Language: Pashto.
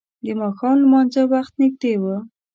د ماښام لمانځه وخت نږدې و.